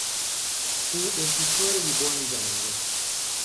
Fu un pittore di buon livello.